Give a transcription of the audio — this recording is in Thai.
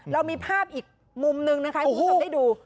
แล้วมีภาพอีกมุมหนึ่งนะคะคุณสามารถได้ดู